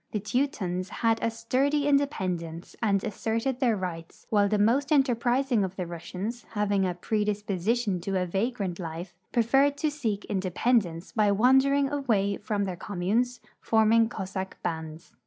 The Teutons had a sturdy independence and asserted their rights, while the most enterprising of the Russians, having a i)redisi>osition to a vagrant life, preferred to seek independence l)y wandering away from tlieir communes, forming Cossack bands.